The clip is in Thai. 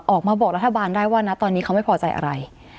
ออกมาบอกรัฐบาลได้ว่านะตอนนี้เขาไม่พอใจอะไร